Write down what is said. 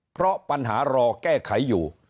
เพราะปัญหารอแก้ไขอยู่